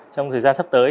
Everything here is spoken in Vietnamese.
trong thời gian sắp tới